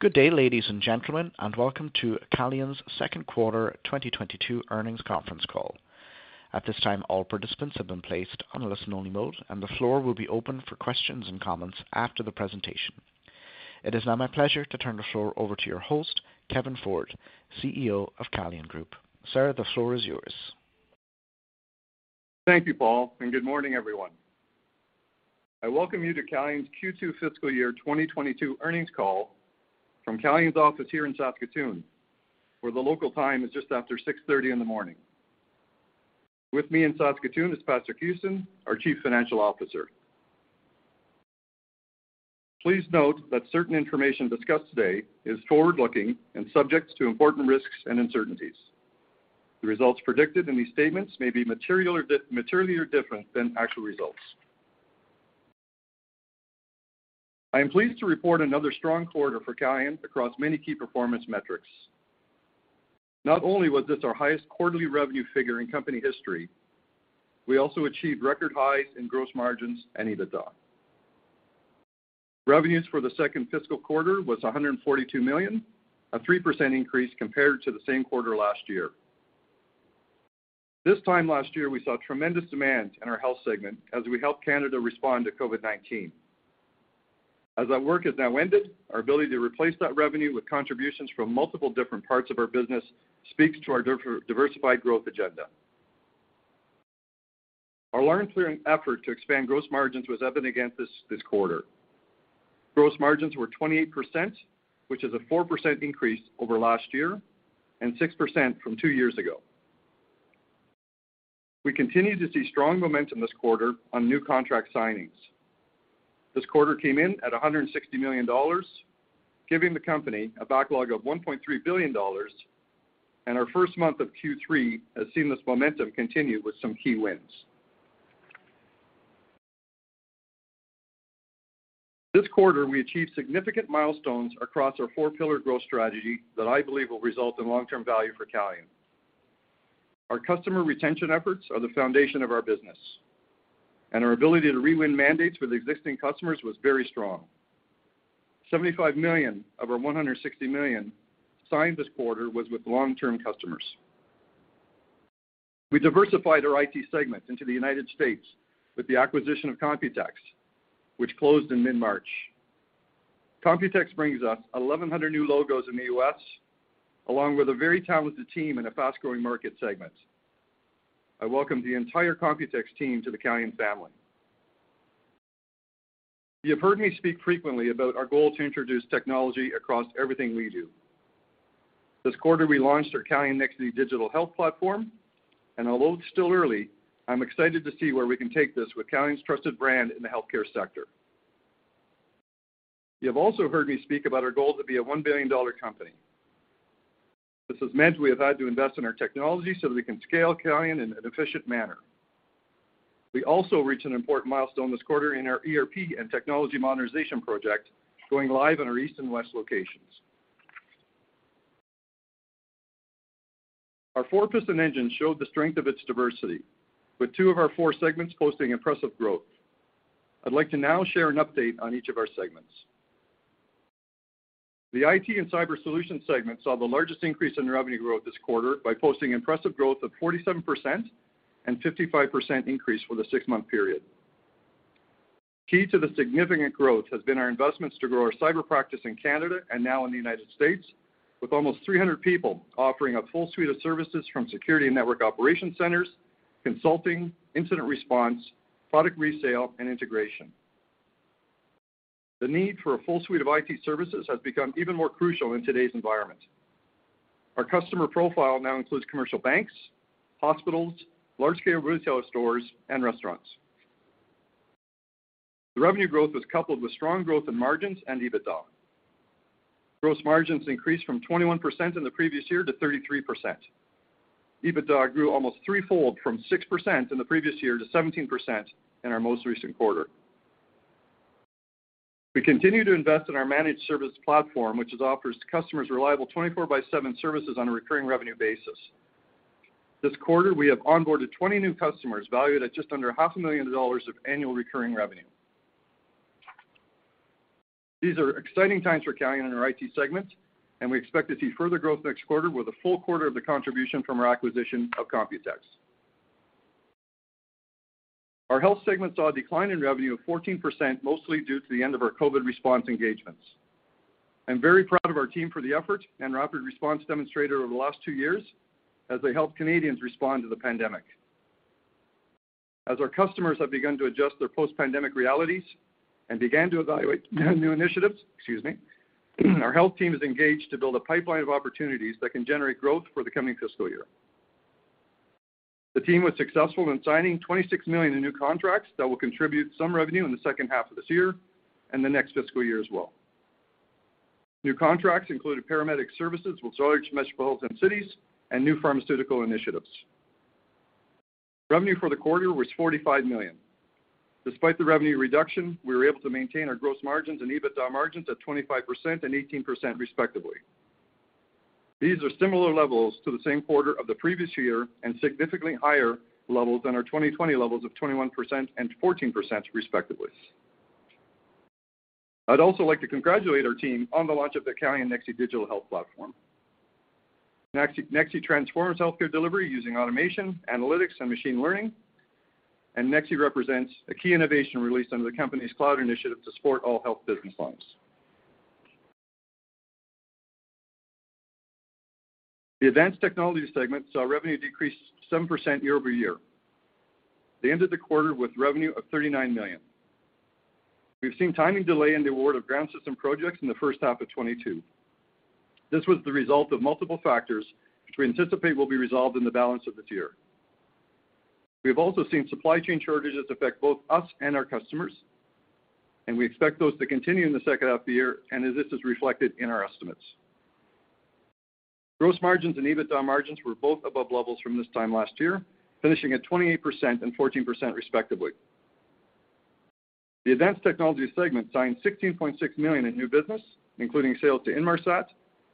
Good day, ladies and gentlemen, and welcome to Calian's second quarter 2022 earnings conference call. At this time, all participants have been placed on a listen-only mode, and the floor will be open for questions and comments after the presentation. It is now my pleasure to turn the floor over to your host, Kevin Ford, CEO of Calian Group. Sir, the floor is yours. Thank you, Paul, and good morning, everyone. I welcome you to Calian's Q2 fiscal year 2022 earnings call from Calian's office here in Saskatoon, where the local time is just after 6:30 A.M. With me in Saskatoon is Patrick Houston, our Chief Financial Officer. Please note that certain information discussed today is forward-looking and subject to important risks and uncertainties. The results predicted in these statements may be materially different than actual results. I am pleased to report another strong quarter for Calian across many key performance metrics. Not only was this our highest quarterly revenue figure in company history, we also achieved record highs in gross margins and EBITDA. Revenues for the second fiscal quarter was 142 million, a 3% increase compared to the same quarter last year. This time last year, we saw tremendous demand in our Health segment as we helped Canada respond to COVID-19. As that work has now ended, our ability to replace that revenue with contributions from multiple different parts of our business speaks to our diversified growth agenda. Our long-term effort to expand gross margins was up again this quarter. Gross margins were 28%, which is a 4% increase over last year, and 6% from two years ago. We continued to see strong momentum this quarter on new contract signings. This quarter came in at 160 million dollars, giving the company a backlog of 1.3 billion dollars, and our first month of Q3 has seen this momentum continue with some key wins. This quarter, we achieved significant milestones across our four-pillar growth strategy that I believe will result in long-term value for Calian. Our customer retention efforts are the foundation of our business, and our ability to re-win mandates with existing customers was very strong. 75 million of our 160 million signed this quarter was with long-term customers. We diversified our IT segment into the United States with the acquisition of Computex, which closed in mid-March. Computex brings us 1,100 new logos in the U.S., along with a very talented team in a fast-growing market segment. I welcome the entire Computex team to the Calian family. You've heard me speak frequently about our goal to introduce technology across everything we do. This quarter, we launched our Calian Nexi Digital Health platform, and although it's still early, I'm excited to see where we can take this with Calian's trusted brand in the healthcare sector. You have also heard me speak about our goal to be a 1 billion dollar company. This has meant we have had to invest in our technology so we can scale Calian in an efficient manner. We also reached an important milestone this quarter in our ERP and technology monetization project, going live in our east and west locations. Our four-piston engine showed the strength of its diversity, with two of our four segments posting impressive growth. I'd like to now share an update on each of our segments. The IT and Cyber Solutions segment saw the largest increase in revenue growth this quarter by posting impressive growth of 47% and 55% increase for the six-month period. Key to the significant growth has been our investments to grow our cyber practice in Canada and now in the United States, with almost 300 people offering a full suite of services from security and network operation centers, consulting, incident response, product resale, and integration. The need for a full suite of IT services has become even more crucial in today's environment. Our customer profile now includes commercial banks, hospitals, large-scale retail stores, and restaurants. The revenue growth was coupled with strong growth in margins and EBITDA. Gross margins increased from 21% in the previous year to 33%. EBITDA grew almost threefold from 6% in the previous year to 17% in our most recent quarter. We continue to invest in our managed service platform, which offers customers reliable 24/7 services on a recurring revenue basis. This quarter, we have onboarded 20 new customers valued at just under 500,000 dollars of annual recurring revenue. These are exciting times for Calian in our IT segment, and we expect to see further growth next quarter with a full quarter of the contribution from our acquisition of Computex. Our Health segment saw a decline in revenue of 14%, mostly due to the end of our COVID response engagements. I'm very proud of our team for the effort and rapid response demonstrated over the last two years as they helped Canadians respond to the pandemic. As our customers have begun to adjust their post-pandemic realities and began to evaluate new initiatives, excuse me, our health team is engaged to build a pipeline of opportunities that can generate growth for the coming fiscal year. The team was successful in signing 26 million in new contracts that will contribute some revenue in the second half of this year and the next fiscal year as well. New contracts included paramedic services with large metropolitan cities and new pharmaceutical initiatives. Revenue for the quarter was 45 million. Despite the revenue reduction, we were able to maintain our gross margins and EBITDA margins at 25% and 18% respectively. These are similar levels to the same quarter of the previous year and significantly higher levels than our 2020 levels of 21% and 14% respectively. I'd also like to congratulate our team on the launch of the Calian Nexi Digital Health platform. Nexi transforms healthcare delivery using automation, analytics, and machine learning, and Nexi represents a key innovation released under the company's cloud initiative to support all health business lines. The Advanced Technologies segment saw revenue decrease 7% year-over-year. They ended the quarter with revenue of 39 million. We've seen timing delay in the award of ground system projects in the first half of 2022. This was the result of multiple factors, which we anticipate will be resolved in the balance of this year. We have also seen supply chain shortages affect both us and our customers, and we expect those to continue in the second half of the year, and this is reflected in our estimates. Gross margins and EBITDA margins were both above levels from this time last year, finishing at 28% and 14% respectively. The Advanced Technologies segment signed 16.6 million in new business, including sales to Inmarsat,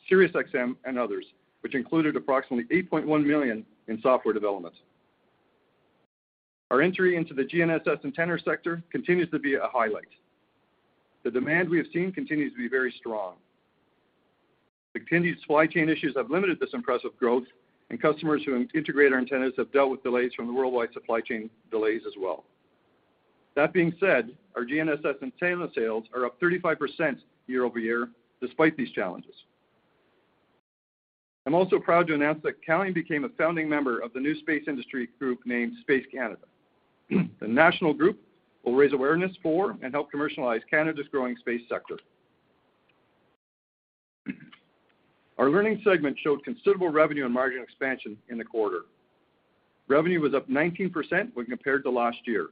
Sirius XM, and others, which included approximately 8.1 million in software development. Our entry into the GNSS antenna sector continues to be a highlight. The demand we have seen continues to be very strong. Continued supply chain issues have limited this impressive growth, and customers who integrate our antennas have dealt with delays from the worldwide supply chain delays as well. That being said, our GNSS antenna sales are up 35% year-over-year despite these challenges. I'm also proud to announce that Calian became a founding member of the new space industry group named Space Canada. The national group will raise awareness for and help commercialize Canada's growing space sector. Our Learning segment showed considerable revenue and margin expansion in the quarter. Revenue was up 19% when compared to last year.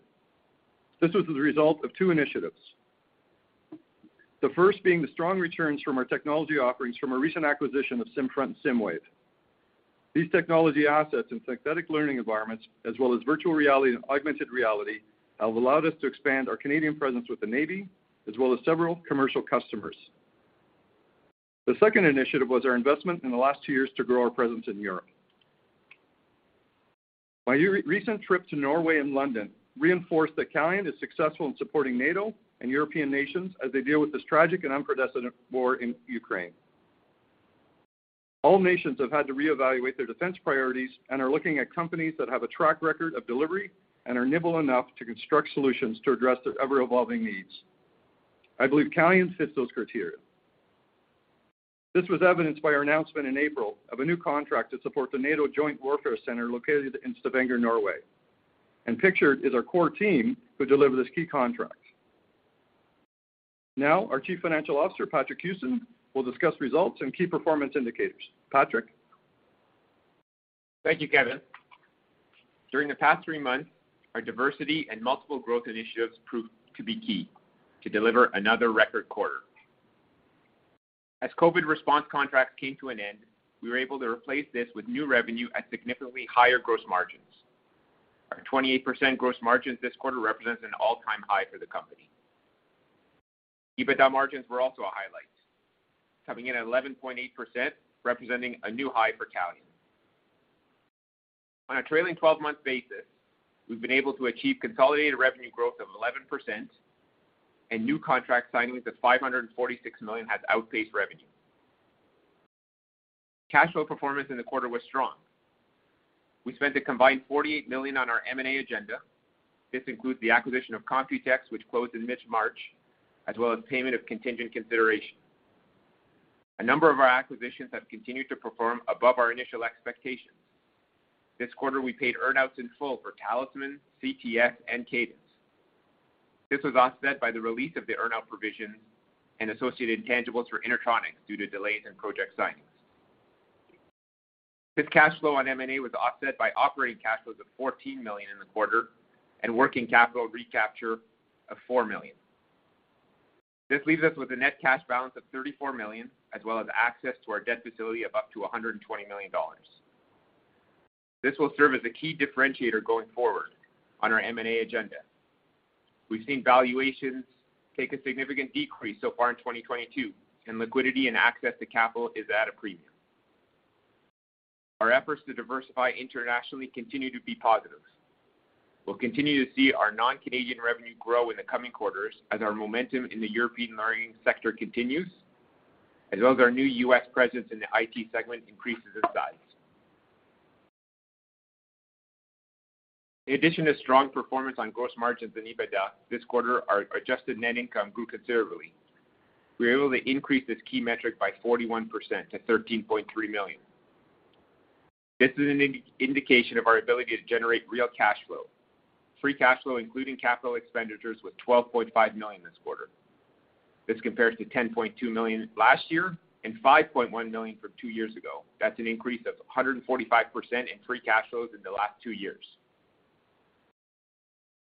This was the result of two initiatives. The first being the strong returns from our technology offerings from our recent acquisition of SimFront and SimWave. These technology assets and synthetic learning environments, as well as virtual reality and augmented reality, have allowed us to expand our Canadian presence with the Navy, as well as several commercial customers. The second initiative was our investment in the last two years to grow our presence in Europe. My recent trip to Norway and London reinforced that Calian is successful in supporting NATO and European nations as they deal with this tragic and unprecedented war in Ukraine. All nations have had to reevaluate their defense priorities and are looking at companies that have a track record of delivery and are nimble enough to construct solutions to address their ever-evolving needs. I believe Calian fits those criteria. This was evidenced by our announcement in April of a new contract to support the NATO Joint Warfare Centre located in Stavanger, Norway. Pictured is our core team who delivered this key contract. Now, our Chief Financial Officer, Patrick Houston, will discuss results and key performance indicators. Patrick. Thank you, Kevin. During the past three months, our diversity and multiple growth initiatives proved to be key to deliver another record quarter. As COVID response contracts came to an end, we were able to replace this with new revenue at significantly higher gross margins. Our 28% gross margins this quarter represents an all-time high for the company. EBITDA margins were also a highlight, coming in at 11.8%, representing a new high for Calian. On a trailing 12-month basis, we've been able to achieve consolidated revenue growth of 11% and new contract signings of 546 million has outpaced revenue. Cash flow performance in the quarter was strong. We spent a combined 48 million on our M&A agenda. This includes the acquisition of Computex, which closed in mid-March, as well as payment of contingent consideration. A number of our acquisitions have continued to perform above our initial expectations. This quarter, we paid earn-outs in full for Tallysman, CTS, and Cadence. This was offset by the release of the earn-out provisions and associated intangibles for InterTronic due to delays in project signings. This cash flow on M&A was offset by operating cash flows of 14 million in the quarter and working capital recapture of 4 million. This leaves us with a net cash balance of 34 million, as well as access to our debt facility of up to 120 million dollars. This will serve as a key differentiator going forward on our M&A agenda. We've seen valuations take a significant decrease so far in 2022, and liquidity and access to capital is at a premium. Our efforts to diversify internationally continue to be positive. We'll continue to see our non-Canadian revenue grow in the coming quarters as our momentum in the European learning sector continues, as well as our new U.S. presence in the IT segment increases in size. In addition to strong performance on gross margins and EBITDA this quarter, our adjusted net income grew considerably. We were able to increase this key metric by 41% to 13.3 million. This is an indication of our ability to generate real cash flow. Free cash flow, including capital expenditures, was 12.5 million this quarter. This compares to 10.2 million last year and 5.1 million from two years ago. That's an increase of 145% in free cash flows in the last two years.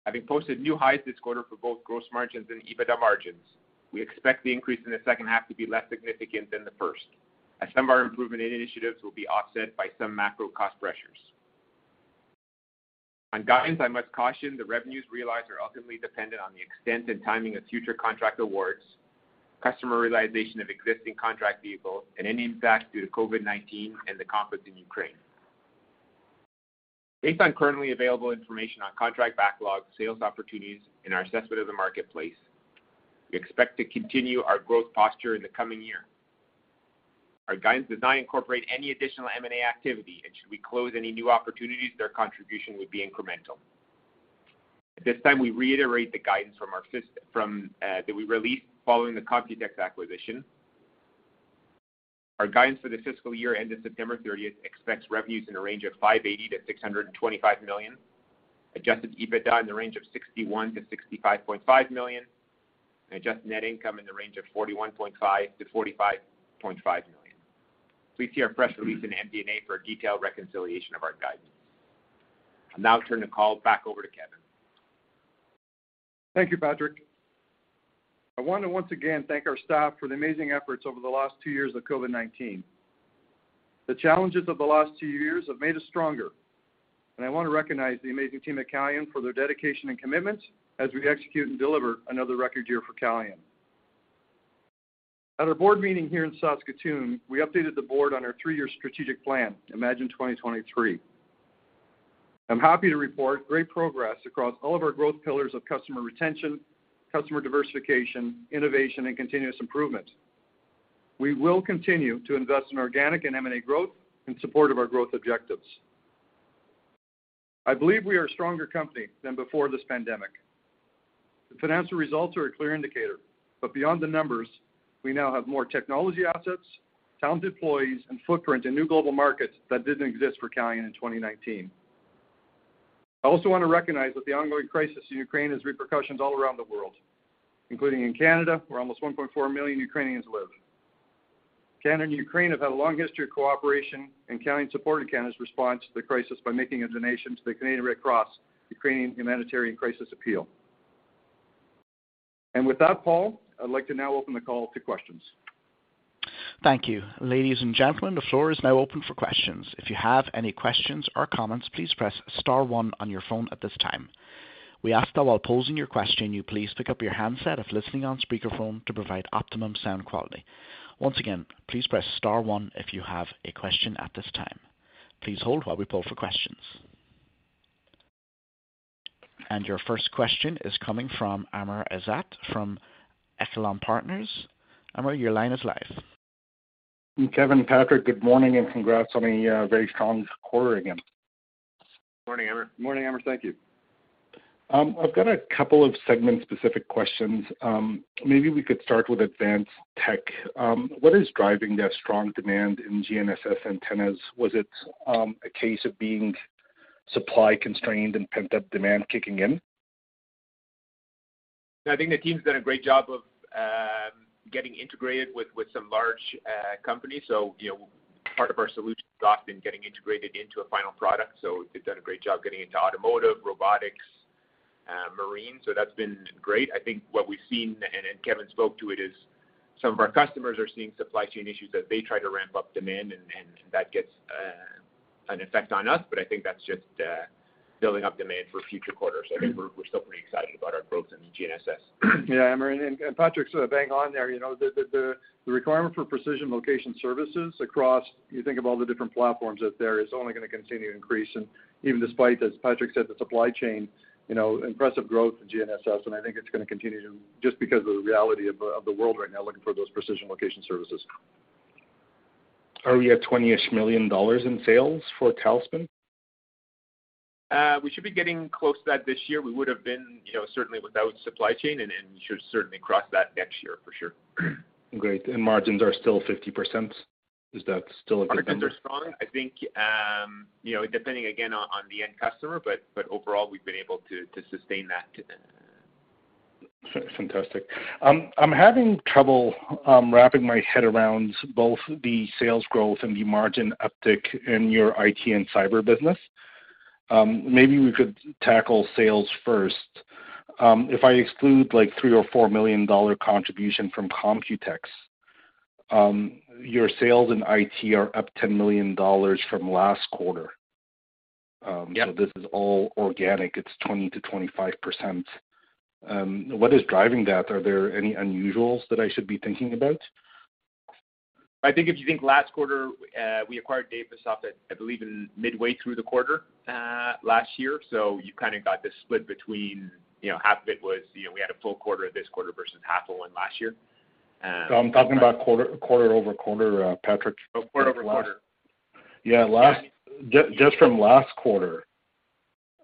Having posted new highs this quarter for both gross margins and EBITDA margins, we expect the increase in the second half to be less significant than the first, as some of our improvement initiatives will be offset by some macro cost pressures. On guidance, I must caution the revenues realized are ultimately dependent on the extent and timing of future contract awards, customer realization of existing contract vehicles, and any impact due to COVID-19 and the conflict in Ukraine. Based on currently available information on contract backlog, sales opportunities, and our assessment of the marketplace, we expect to continue our growth posture in the coming year. Our guidance does not incorporate any additional M&A activity, and should we close any new opportunities, their contribution would be incremental. At this time, we reiterate the guidance that we released following the Computex acquisition. Our guidance for the fiscal year ending September 30th expects revenues in a range of 580 million-625 million, adjusted EBITDA in the range of 61 million-65.5 million, and adjusted net income in the range of 41.5 million-45.5 million. Please see our press release and MD&A for a detailed reconciliation of our guidance. I'll now turn the call back over to Kevin. Thank you, Patrick. I want to once again thank our staff for the amazing efforts over the last two years of COVID-19. The challenges of the last two years have made us stronger, and I want to recognize the amazing team at Calian for their dedication and commitment as we execute and deliver another record year for Calian. At our Board meeting here in Saskatoon, we updated the Board on our three-year strategic plan, Imagine 2023. I'm happy to report great progress across all of our growth pillars of customer retention, customer diversification, innovation, and continuous improvement. We will continue to invest in organic and M&A growth in support of our growth objectives. I believe we are a stronger company than before this pandemic. The financial results are a clear indicator, but beyond the numbers, we now have more technology assets, talented employees, and footprint in new global markets that didn't exist for Calian in 2019. I also want to recognize that the ongoing crisis in Ukraine has repercussions all around the world, including in Canada, where almost 1.4 million Ukrainians live. Canada and Ukraine have had a long history of cooperation, and Calian supported Canada's response to the crisis by making a donation to the Canadian Red Cross Ukraine Humanitarian Crisis Appeal. With that, Paul, I'd like to now open the call to questions. Thank you. Ladies and gentlemen, the floor is now open for questions. If you have any questions or comments, please press star one on your phone at this time. We ask that while posing your question, you please pick up your handset if listening on speakerphone to provide optimum sound quality. Once again, please press star one if you have a question at this time. Please hold while we poll for questions. Your first question is coming from Amr Ezzat from Echelon Partners. Amr, your line is live. Kevin, Patrick, good morning and congrats on a very strong quarter again. Morning, Amr. Morning, Amr. Thank you. I've got a couple of segment-specific questions. Maybe we could start with Advanced Tech. What is driving that strong demand in GNSS antennas? Was it a case of being supply constrained and pent-up demand kicking in? I think the team's done a great job of getting integrated with some large companies. You know, part of our solution is often getting integrated into a final product. They've done a great job getting into automotive, robotics, marine. That's been great. I think what we've seen, and Kevin spoke to it, is some of our customers are seeing supply chain issues as they try to ramp up demand and that gets an effect on us. I think that's just building up demand for future quarters. I think we're still pretty excited about our growth in GNSS. Yeah, Amr, and Patrick's bang on there. You know, the requirement for precision location services across, you think of all the different platforms out there, is only gonna continue to increase. Even despite, as Patrick said, the supply chain, you know, impressive growth in GNSS, and I think it's gonna continue to just because of the reality of the world right now looking for those precision location services. Are we at 20-ish million dollars in sales for Tallysman? We should be getting close to that this year. We would have been, you know, certainly without supply chain and should certainly cross that next year for sure. Great. Margins are still 50%? Is that still a good number? Margins are strong. I think, you know, depending again on the end customer. But overall, we've been able to sustain that. Fantastic. I'm having trouble wrapping my head around both the sales growth and the margin uptick in your IT and Cyber business. Maybe we could tackle sales first. If I exclude like 3 million or 4 million dollar contribution from Computex, your sales in IT are up 10 million dollars from last quarter. Yeah. This is all organic. It's 20%-25%. What is driving that? Are there any unusuals that I should be thinking about? I think if you think last quarter, we acquired Dapasoft at, I believe, in midway through the quarter last year. You kinda got this split between, you know, half of it was, you know, we had a full quarter of this quarter versus half of one last year. I'm talking about quarter-over-quarter, Patrick. Oh, quarter-over-quarter. Yeah. Just from last quarter-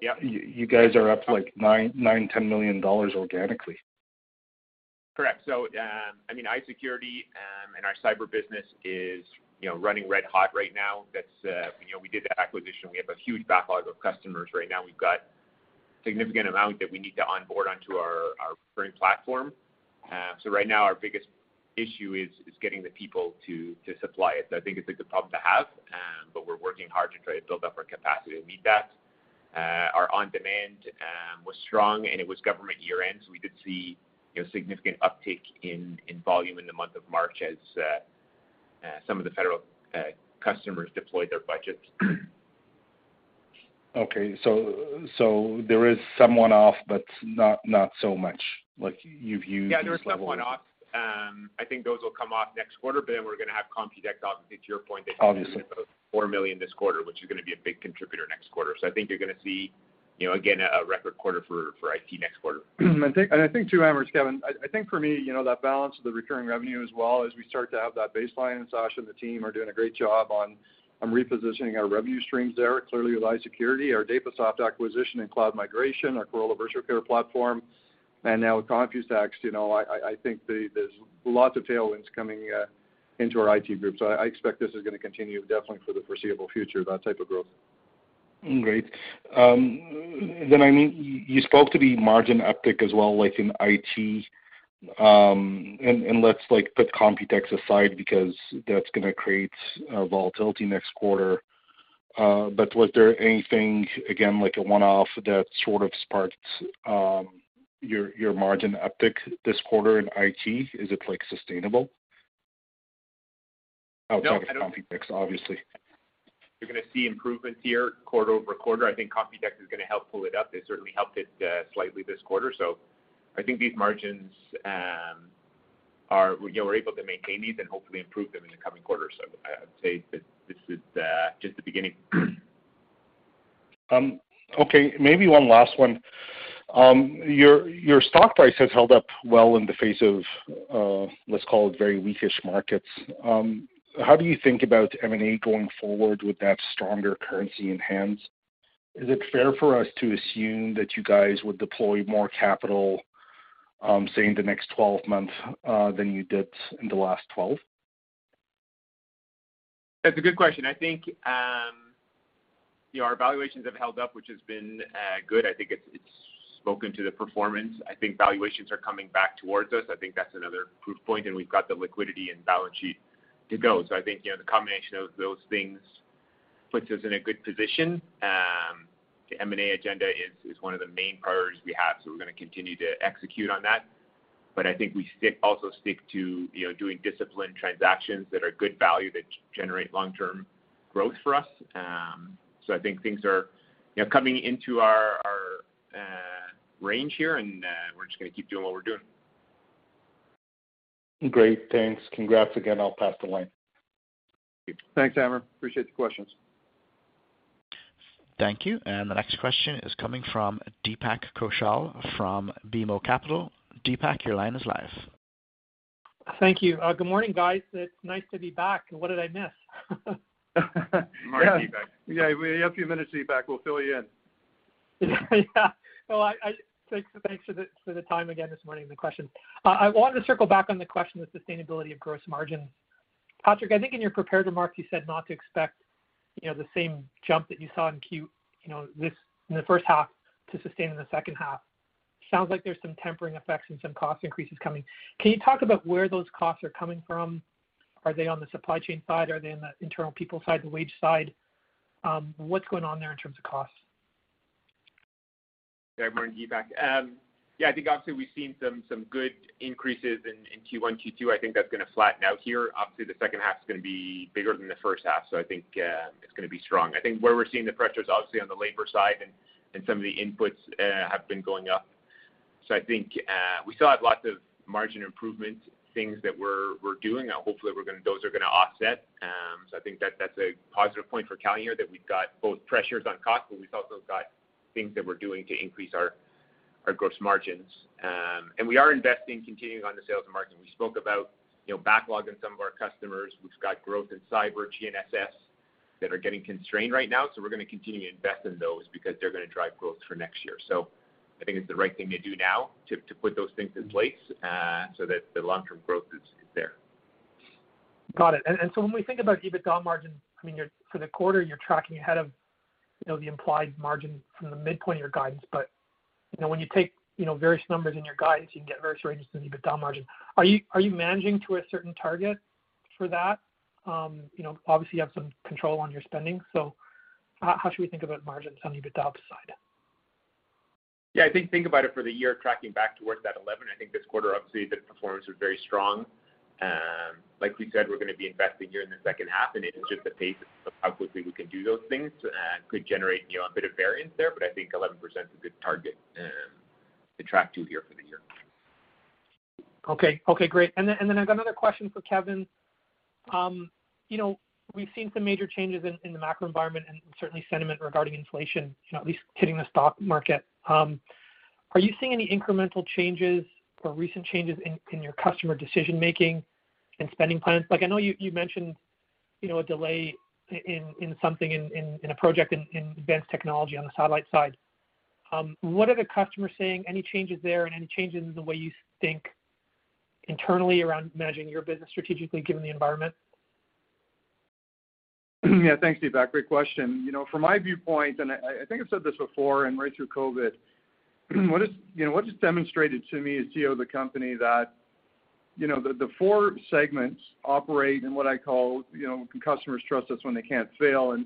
Yeah.... you guys are up like 9 million-10 million dollars organically. Correct. I mean, IT security and our Cyber business is, you know, running red hot right now. That's, you know, we did the acquisition. We have a huge backlog of customers right now. We've got significant amount that we need to onboard onto our current platform. Right now our biggest issue is getting the people to supply it. I think it's a good problem to have, but we're working hard to try to build up our capacity to meet that. Our on-demand was strong, and it was government year-end. We did see, you know, significant uptick in volume in the month of March as some of the federal customers deployed their budgets. Okay. There is some one-off, but not so much like you've used- Yeah, there's some one-off. I think those will come off next quarter, but then we're gonna have Computex obviously to your point. They- Obviously.... about 4 million this quarter, which is gonna be a big contributor next quarter. I think you're gonna see, you know, again, a record quarter for IT next quarter. I think to Amr's, it is Kevin. I think for me, you know, that balance of the recurring revenue as well as we start to have that baseline, and Sacha and the team are doing a great job on repositioning our revenue streams there. Clearly with iSecurity, our Dapasoft acquisition and cloud migration, our Corolar Virtual Care platform, and now with Computex, you know, I think there's lots of tailwinds coming into our IT group. I expect this is gonna continue definitely for the foreseeable future, that type of growth. Great. I mean, you spoke to the margin uptick as well, like in IT. Let's like put Computex aside because that's gonna create volatility next quarter. Was there anything, again, like a one-off that sort of sparked your margin uptick this quarter in IT? Is it like sustainable? No, I don't. Outside of Computex, obviously. You're gonna see improvements here quarter-over-quarter. I think Computex is gonna help pull it up. It certainly helped it slightly this quarter. I think these margins are, you know, we're able to maintain these and hopefully improve them in the coming quarters. I'd say that this is just the beginning. Okay, maybe one last one. Your stock price has held up well in the face of, let's call it, very weak-ish markets. How do you think about M&A going forward with that stronger currency in hands? Is it fair for us to assume that you guys would deploy more capital, say in the next 12 months, than you did in the last 12 months? That's a good question. I think, you know, our valuations have held up, which has been good. I think it's spoken to the performance. I think valuations are coming back towards us. I think that's another proof point, and we've got the liquidity and balance sheet to go. I think, you know, the combination of those things puts us in a good position. The M&A agenda is one of the main priorities we have, so we're gonna continue to execute on that. I think we also stick to, you know, doing disciplined transactions that are good value that generate long-term growth for us. I think things are, you know, coming into our range here, and we're just gonna keep doing what we're doing. Great. Thanks. Congrats again. I'll pass the line. Thanks, Amr. Appreciate the questions. Thank you. The next question is coming from Deepak Kaushal from BMO Capital. Deepak, your line is live. Thank you. Good morning, guys. It's nice to be back. What did I miss? Morning, Deepak. Yeah, we have a few minutes, Deepak. We'll fill you in. Yeah. Well, thanks for the time again this morning, the questions. I wanted to circle back on the question, the sustainability of gross margin. Patrick, I think in your prepared remarks, you said not to expect, you know, the same jump that you saw in Q, you know, in the first half to sustain in the second half. Sounds like there's some tempering effects and some cost increases coming. Can you talk about where those costs are coming from? Are they on the supply chain side? Are they in the internal people side, the wage side? What's going on there in terms of costs? Yeah, good morning, Deepak. Yeah, I think obviously we've seen some good increases in Q1, Q2. I think that's gonna flatten out here. Obviously, the second half is gonna be bigger than the first half, so I think it's gonna be strong. I think where we're seeing the pressures obviously on the labor side and some of the inputs have been going up. So I think we still have lots of margin improvement things that we're doing. Hopefully those are gonna offset. So I think that's a positive point for Calian that we've got both pressures on cost, but we've also got things that we're doing to increase our gross margins. We are investing continuing on the sales and marketing. We spoke about, you know, backlog in some of our customers. We've got growth in Cyber, Gvirtual realityNSS that are getting constrained right now, so we're gonna continue to invest in those because they're gonna drive growth for next year. I think it's the right thing to do now to put those things in place, so that the long-term growth is there. Got it. When we think about EBITDA margin, I mean, you're for the quarter, you're tracking ahead of, you know, the implied margin from the midpoint of your guidance. You know, when you take, you know, various numbers in your guidance, you can get various ranges in the EBITDA margin. Are you managing to a certain target for that? You know, obviously you have some control on your spending, so how should we think about margins on the EBITDA upside? Yeah. I think about it for the year tracking back towards that 11%. I think this quarter obviously the performance was very strong. Like we said, we're gonna be investing here in the second half, and it is just the pace of how quickly we can do those things could generate, you know, a bit of variance there. But I think 11% is a good target to track to here for the year. Okay, great. I've got another question for Kevin. You know, we've seen some major changes in the macro environment and certainly sentiment regarding inflation, you know, at least hitting the stock market. Are you seeing any incremental changes or recent changes in your customer decision-making and spending plans? Like I know you mentioned, you know, a delay in something in a project in Advanced Technology on the satellite side. What are the customers saying? Any changes there? Any changes in the way you think internally around managing your business strategically given the environment? Yeah. Thanks, Deepak. Great question. You know, from my viewpoint, I think I've said this before and right through COVID, you know, what it's demonstrated to me as CEO of the company that, you know, the four segments operate in what I call, you know, can customers trust us when they can't fail?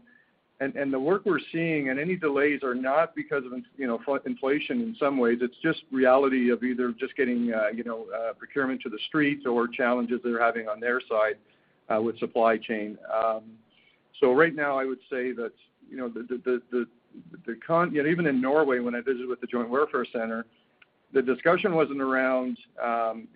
The work we're seeing and any delays are not because of in, you know, for inflation in some ways. It's just reality of either just getting, you know, procurement to the streets or challenges they're having on their side with supply chain. Right now, I would say that, you know, even in Norway when I visited with the Joint Warfare Centre, the discussion wasn't around,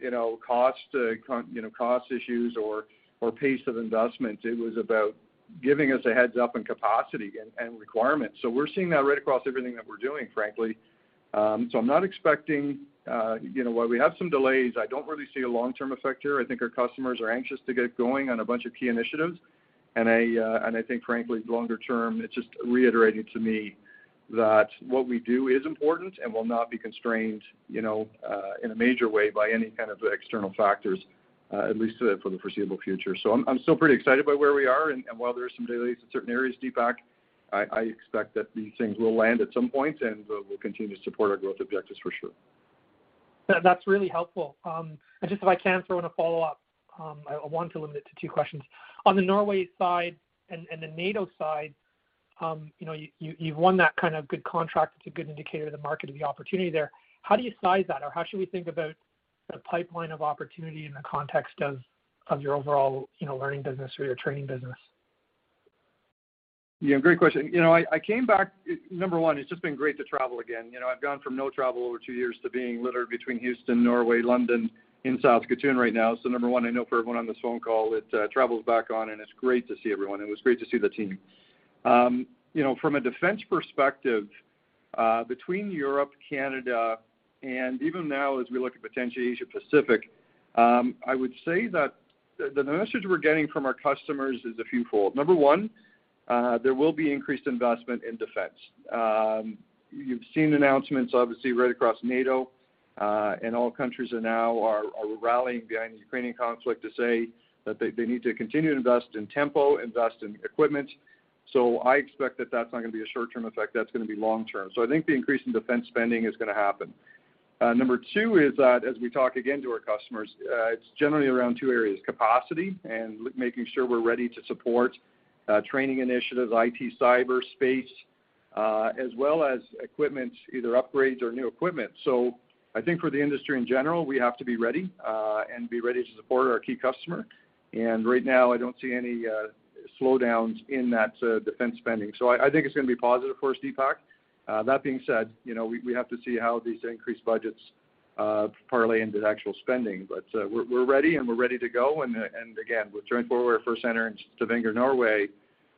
you know, cost issues or pace of investment. It was about giving us a heads-up in capacity and requirements. We're seeing that right across everything that we're doing, frankly. I'm not expecting, you know, while we have some delays, I don't really see a long-term effect here. I think our customers are anxious to get going on a bunch of key initiatives. I think frankly, longer term, it's just reiterating to me that what we do is important and will not be constrained, you know, in a major way by any kind of external factors, at least for the foreseeable future. I'm still pretty excited by where we are, and while there are some delays in certain areas, Deepak, I expect that these things will land at some point and will continue to support our growth objectives for sure. That's really helpful. Just if I can throw in a follow-up, I want to limit it to two questions. On the Norway side and the NATO side, you know, you've won that kind of good contract. It's a good indicator of the market of the opportunity there. How do you size that? Or how should we think about the pipeline of opportunity in the context of your overall, you know, learning business or your training business? Yeah, great question. You know, I came back. Number one, it's just been great to travel again. You know, I've gone from no travel over two years to being littered between Houston, Norway, London, and Saskatoon right now. Number one, I know for everyone on this phone call, that travel's back on, and it's great to see everyone, and it was great to see the team. You know, from a defense perspective, between Europe, Canada, and even now as we look at potentially Asia Pacific, I would say that the message we're getting from our customers is twofold. Number one, there will be increased investment in defense. You've seen announcements obviously right across NATO, and all countries are now rallying behind the Ukrainian conflict to say that they need to continue to invest in tempo, invest in equipment. I expect that that's not gonna be a short-term effect. That's gonna be long-term. I think the increase in defense spending is gonna happen. Number two is that as we talk again to our customers, it's generally around two areas, capacity and making sure we're ready to support training initiatives, IT, cyber, space, as well as equipment, either upgrades or new equipment. I think for the industry in general, we have to be ready and be ready to support our key customer. Right now, I don't see any slowdowns in that defense spending. I think it's gonna be positive for us, Deepak. That being said, you know, we have to see how these increased budgets parlay into the actual spending. We're ready to go. And again, with Joint Warfare Centre in Stavanger, Norway,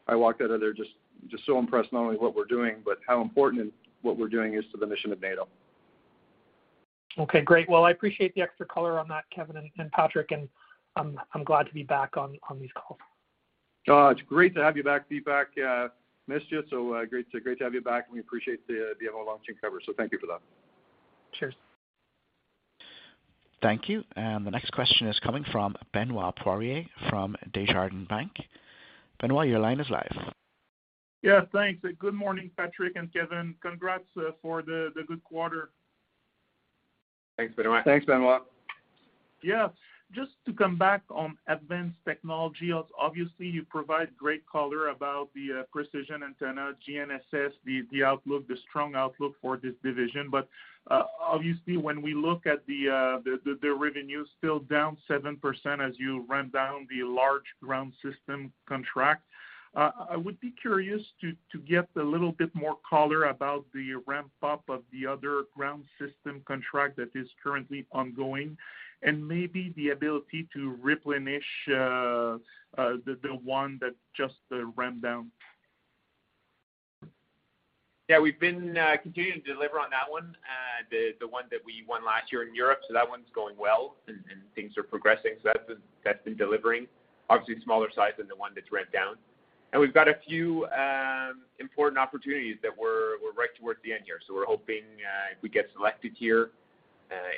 I walked out of there just so impressed not only what we're doing, but how important what we're doing is to the mission of NATO. Okay, great. Well, I appreciate the extra color on that, Kevin and Patrick, and I'm glad to be back on these calls. Oh, it's great to have you back, Deepak. Missed you. Great to have you back, and we appreciate the overall launch coverage. Thank you for that. Cheers. Thank you. The next question is coming from Benoît Poirier from Desjardins Bank. Benoît, your line is live. Yeah, thanks. Good morning, Patrick and Kevin. Congrats for the good quarter. Thanks, Benoît. Thanks, Benoît. Yeah. Just to come back on Advanced Technology. Obviously, you provide great color about the precision antenna, GNSS, the outlook, the strong outlook for this division. Obviously, when we look at the revenue still down 7% as you ramp down the large ground system contract, I would be curious to get a little bit more color about the ramp up of the other ground system contract that is currently ongoing and maybe the ability to replenish the one that just ramped down. Yeah. We've been continuing to deliver on that one. The one that we won last year in Europe, so that one's going well and things are progressing. That's been delivering. Obviously, smaller size than the one that's ramped down. We've got a few important opportunities that we're right towards the end here. We're hoping, if we get selected here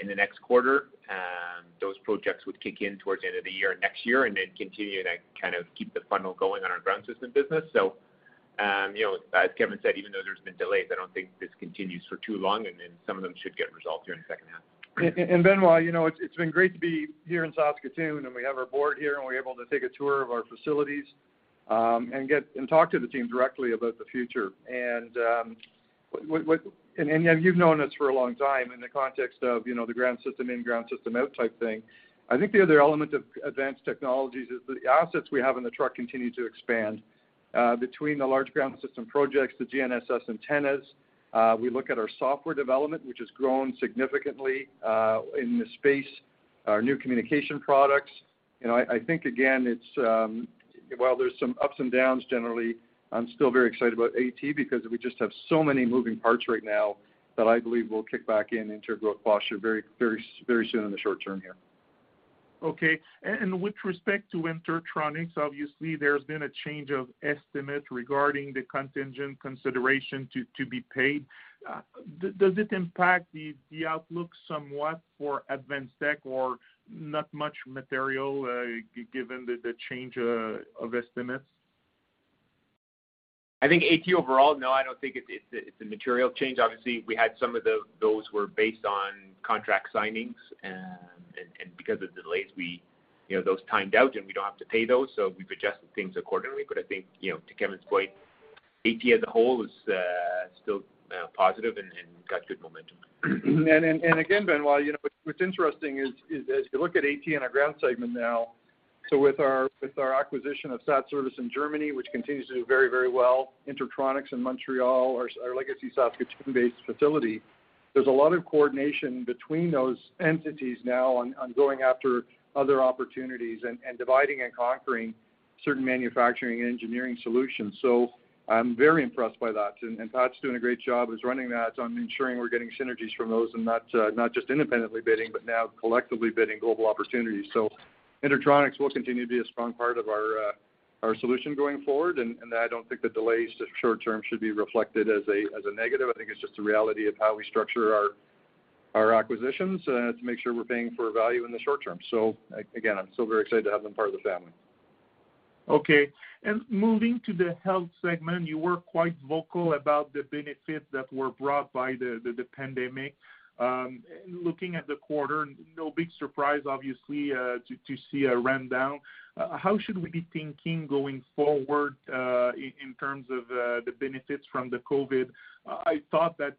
in the next quarter, those projects would kick in towards the end of the year, next year, and then continue to kind of keep the funnel going on our ground system business. You know, as Kevin said, even though there's been delays, I don't think this continues for too long, and then some of them should get resolved here in the second half. Benoît, you know, it's been great to be here in Saskatoon, and we have our Board here, and we're able to take a tour of our facilities and talk to the team directly about the future. You've known us for a long time in the context of, you know, the ground system in, ground system out type thing. I think the other element of Advanced Technologies is the assets we have in the truck continue to expand between the large ground system projects, the GNSS antennas. We look at our software development, which has grown significantly in the space, our new communication products. You know, I think again, it's while there's some ups and downs generally, I'm still very excited about it because we just have so many moving parts right now that I believe will kick back into growth posture very soon in the short term here. Okay. With respect to InterTronic, obviously, there's been a change of estimate regarding the contingent consideration to be paid. Does it impact the outlook somewhat for Advanced Tech or not much material, given the change of estimates? I think AT overall, no, I don't think it's a material change. Obviously, we had some of those were based on contract signings and because of the delays we, you know, those timed out, and we don't have to pay those, so we've adjusted things accordingly. I think, you know, to Kevin's point, AT as a whole is still positive and got good momentum. Again, Benoît, what's interesting is as you look at AT in our ground segment now, so with our acquisition of SatService in Germany, which continues to do very, very well, InterTronic in Montreal, our legacy Saskatchewan-based facility, there's a lot of coordination between those entities now on going after other opportunities and dividing and conquering certain manufacturing and engineering solutions. So I'm very impressed by that. Pat's doing a great job in running that on ensuring we're getting synergies from those and not just independently bidding, but now collectively bidding global opportunities. So InterTronic will continue to be a strong part of our solution going forward. I don't think the delays just short-term should be reflected as a negative. I think it's just a reality of how we structure our acquisitions to make sure we're paying for value in the short term. Again, I'm still very excited to have them part of the family. Okay. Moving to the Health segment, you were quite vocal about the benefits that were brought by the pandemic. Looking at the quarter, no big surprise obviously, to see a rundown. How should we be thinking going forward, in terms of the benefits from the COVID? I thought that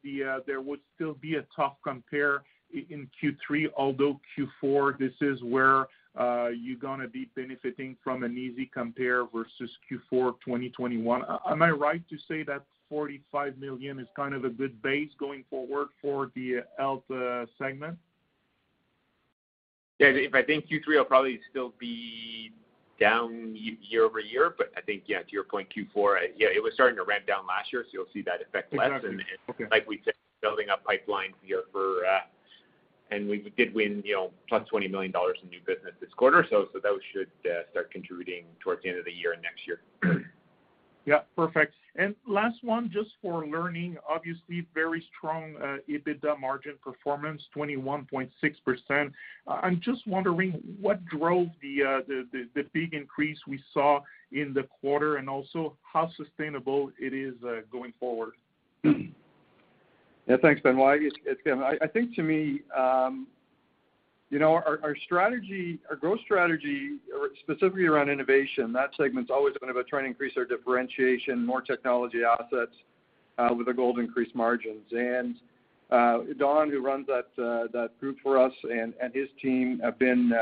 there would still be a tough compare in Q3. Although Q4, this is where you're gonna be benefiting from an easy compare versus Q4 of 2021. Am I right to say that 45 million is kind of a good base going forward for the Health segment? Yeah. If I think Q3 will probably still be down year-over-year, but I think, yeah, to your point, Q4, yeah, it was starting to ramp down last year, so you'll see that effect less. Exactly. Okay. Like we said, building up pipelines here for and we did win, you know, +20 million dollars in new business this quarter, so that should start contributing towards the end of the year and next year. Yeah, perfect. Last one, just for learning, obviously very strong EBITDA margin performance, 21.6%. I'm just wondering what drove the big increase we saw in the quarter and also how sustainable it is going forward? Yeah, thanks, Benoît. It's Kevin. I think to me, you know, our strategy, our growth strategy specifically around innovation. That segment's always been about trying to increase our differentiation, more technology assets, with the goal of increased margins. Don, who runs that group for us and his team have been,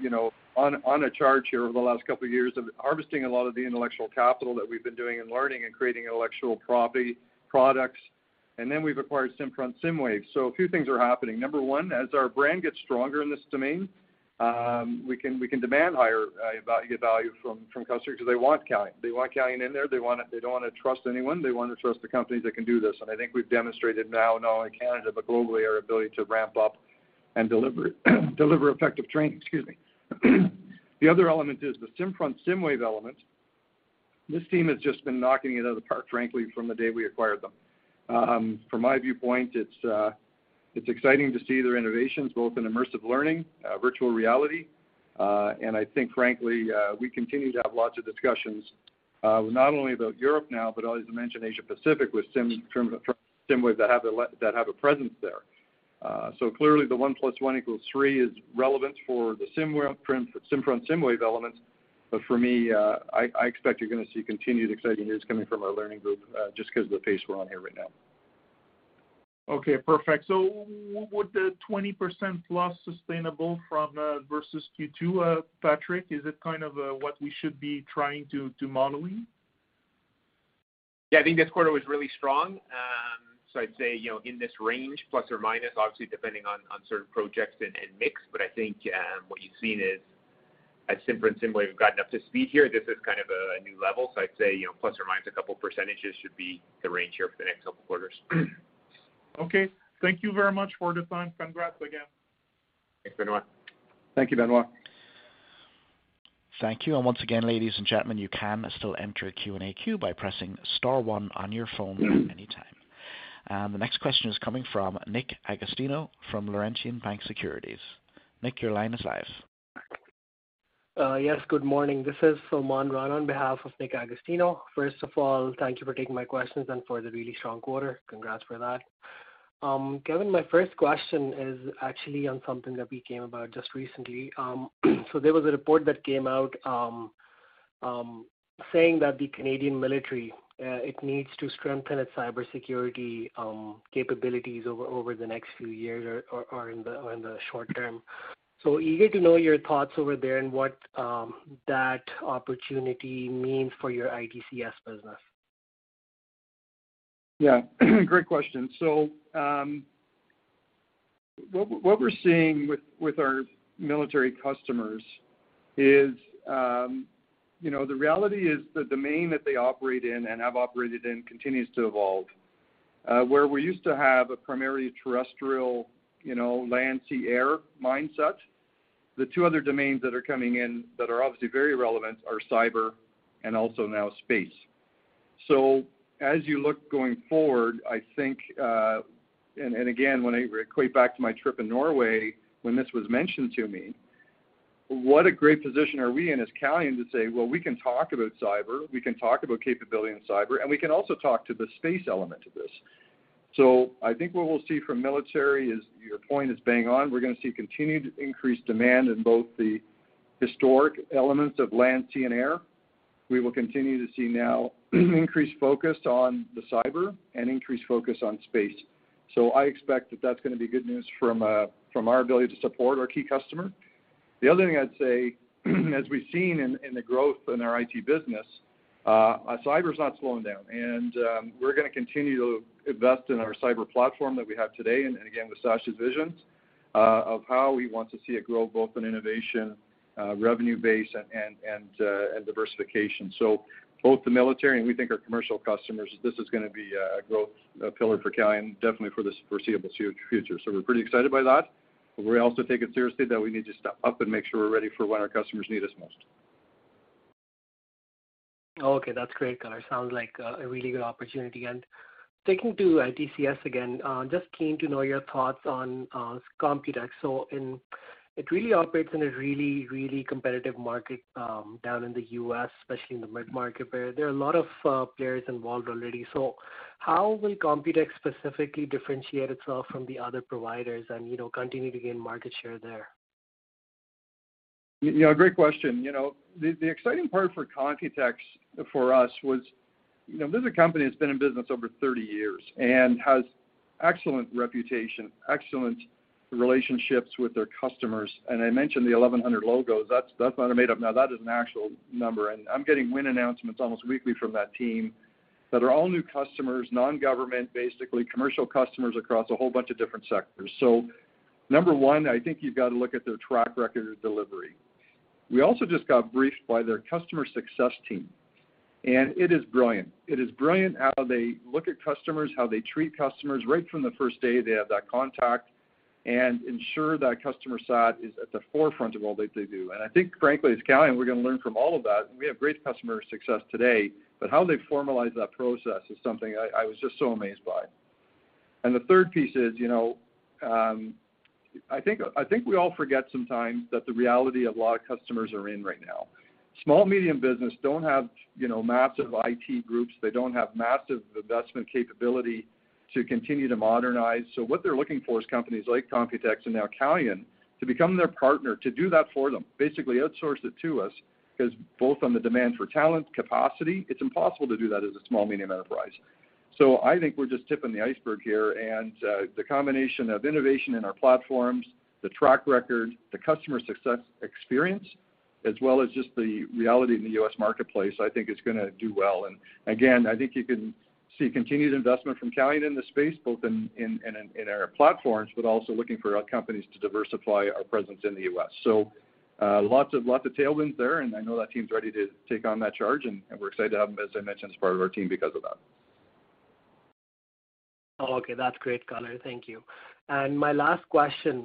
you know, on a charge here over the last couple of years of harvesting a lot of the intellectual capital that we've been doing in learning and creating intellectual property products. Then we've acquired SimFront SimWave. A few things are happening. Number one, as our brand gets stronger in this domain, we can demand higher value from customers 'cause they want Calian. They want Calian in there. They wanna, they don't wanna trust anyone. They wanna trust the companies that can do this. I think we've demonstrated now not only in Canada, but globally, our ability to ramp up and deliver effective training. Excuse me. The other element is the SimFront SimWave element. This team has just been knocking it out of the park, frankly, from the day we acquired them. From my viewpoint, it's exciting to see their innovations both in immersive learning, virtual reality. I think frankly, we continue to have lots of discussions, not only about Europe now, but as you mentioned, Asia Pacific with SimFront SimWave that have a presence there. Clearly the 1+1=3 is relevant for the SimFront SimWave elements. For me, I expect you're gonna see continued exciting news coming from our learning group, just 'cause of the pace we're on here right now. Okay, perfect. Would the 20%+ sustainable from, versus Q2, Patrick, is it kind of what we should be trying to modeling? Yeah, I think this quarter was really strong. I'd say, you know, in this range, plus or minus, obviously depending on certain projects and mix. I think what you've seen is at SimFront, SimWave, we've gotten up to speed here. This is kind of a new level. I'd say, you know, plus or minus a couple percentages should be the range here for the next couple quarters. Okay. Thank you very much for the time. Congrats again. Thanks, Benoît. Thank you, Benoît. Thank you. Once again, ladies and gentlemen, you can still enter a Q&A queue by pressing star one on your phone anytime. The next question is coming from Nick Agostino from Laurentian Bank Securities. Nick, your line is live. Yes, good morning. This is Salman Rana on behalf of Nick Agostino. First of all, thank you for taking my questions and for the really strong quarter. Congrats for that. Kevin, my first question is actually on something that we came across just recently. There was a report that came out, saying that the Canadian military needs to strengthen its cybersecurity capabilities over the next few years or in the short term. Eager to know your thoughts on that and what that opportunity means for your IT, CS business. Yeah. Great question. What we're seeing with our military customers is, you know, the reality is the domain that they operate in and have operated in continues to evolve. Where we used to have a primarily terrestrial, you know, land, sea, air mindset, the two other domains that are coming in that are obviously very relevant are cyber and also now space. As you look going forward, I think and again, when I equate back to my trip in Norway when this was mentioned to me, what a great position are we in as Calian to say, "Well, we can talk about cyber, we can talk about capability in cyber, and we can also talk to the space element of this." I think what we'll see from military is your point is bang on. We're gonna see continued increased demand in both the historic elements of land, sea, and air. We will continue to see now increased focus on the cyber and increased focus on space. I expect that that's gonna be good news from our ability to support our key customer. The other thing I'd say, as we've seen in the growth in our IT business, cyber's not slowing down, and we're gonna continue to invest in our cyber platform that we have today and again, with Sasha's visions of how he wants to see it grow both in innovation, revenue base and diversification. Both the military, and we think our commercial customers, this is gonna be a growth pillar for Calian definitely for the foreseeable future. We're pretty excited by that. We also take it seriously that we need to step up and make sure we're ready for when our customers need us most. Okay, that's great color. Sounds like a really good opportunity. Talking to IT, CS again, just keen to know your thoughts on Computex. It really operates in a competitive market down in the U.S., especially in the mid-market where there are a lot of players involved already. How will Computex specifically differentiate itself from the other providers and, you know, continue to gain market share there? Yeah, great question. You know, the exciting part for Computex for us was, you know, this is a company that's been in business over 30 years and has excellent reputation, excellent relationships with their customers. I mentioned the 1,100 logos. That's not made up. Now, that is an actual number, and I'm getting win announcements almost weekly from that team that are all new customers, non-government, basically commercial customers across a whole bunch of different sectors. Number one, I think you've got to look at their track record of delivery. We also just got briefed by their customer success team, and it is brilliant. It is brilliant how they look at customers, how they treat customers right from the first day they have that contact and ensure that customer sat is at the forefront of all that they do. I think, frankly, as Calian, we're gonna learn from all of that. We have great customer success today, but how they formalize that process is something I was just so amazed by. The third piece is, you know, I think we all forget sometimes that the reality of a lot of customers are in right now. Small-medium business don't have, you know, massive IT groups. They don't have massive investment capability to continue to modernize. What they're looking for is companies like Computex and now Calian to become their partner, to do that for them, basically outsource it to us, 'cause both on the demand for talent, capacity, it's impossible to do that as a small-medium enterprise. I think we're just tipping the iceberg here. The combination of innovation in our platforms, the track record, the customer success experience, as well as just the reality in the U.S. marketplace, I think is gonna do well. Again, I think you can see continued investment from Calian in the space, both in our platforms, but also looking for other companies to diversify our presence in the U.S. Lots of tailwinds there, and I know that team's ready to take on that charge, and we're excited to have them, as I mentioned, as part of our team because of that. Okay, that's great color. Thank you. My last question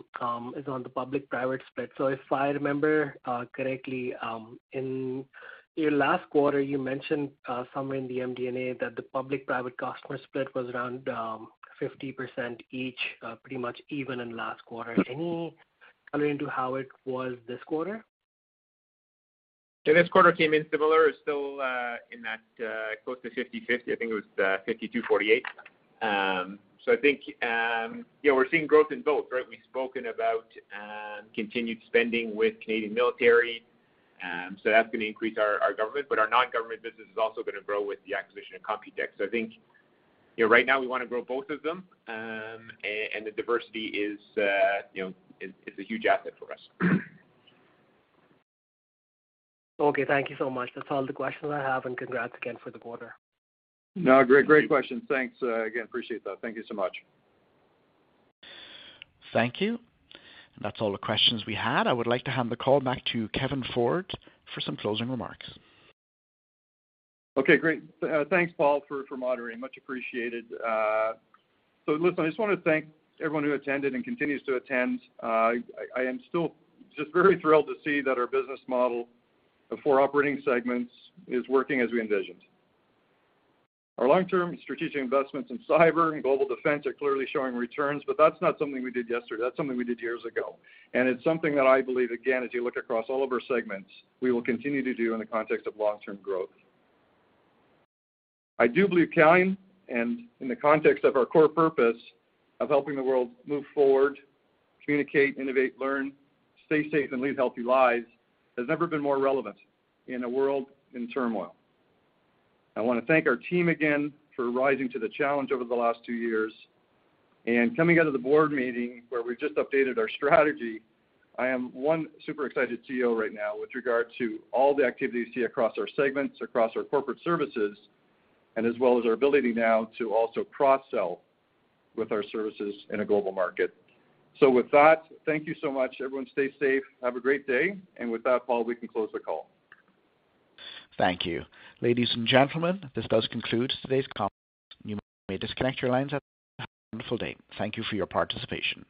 is on the public-private split. If I remember correctly, in your last quarter, you mentioned somewhere in the MD&A that the public-private customer split was around 50% each, pretty much even in last quarter. Any color into how it was this quarter? Yeah, this quarter came in similar. It's still in that close to 50/50. I think it was 52/48. I think yeah, we're seeing growth in both, right? We've spoken about continued spending with Canadian military, so that's gonna increase our government. Our non-government business is also gonna grow with the acquisition of Computex. I think you know, right now we wanna grow both of them, and the diversity is you know, it's a huge asset for us. Okay, thank you so much. That's all the questions I have, and congrats again for the quarter. No, great questions. Thanks, again, appreciate that. Thank you so much. Thank you. That's all the questions we had. I would like to hand the call back to Kevin Ford for some closing remarks. Okay, great. Thanks, Paul, for moderating. Much appreciated. Listen, I just wanna thank everyone who attended and continues to attend. I am still just very thrilled to see that our business model, the four operating segments, is working as we envisioned. Our long-term strategic investments in cyber and global defense are clearly showing returns, but that's not something we did yesterday. That's something we did years ago. It's something that I believe, again, as you look across all of our segments, we will continue to do in the context of long-term growth. I do believe Calian, and in the context of our core purpose of helping the world move forward, communicate, innovate, learn, stay safe, and lead healthy lives, has never been more relevant in a world in turmoil. I wanna thank our team again for rising to the challenge over the last two years. Coming out of the Board meeting, where we just updated our strategy, I am one super excited CEO right now with regard to all the activity you see across our segments, across our corporate services, and as well as our ability now to also cross-sell with our services in a global market. With that, thank you so much. Everyone stay safe. Have a great day. With that, Paul, we can close the call. Thank you. Ladies and gentlemen, this does conclude today's conference. You may disconnect your lines. Have a wonderful day. Thank you for your participation.